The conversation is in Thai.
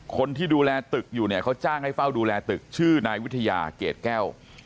คนที่ดูแลตึกอยู่เนี่ยเขาจ้างให้เฝ้าดูแลตึกชื่อนายวิทยาเกรดแก้ว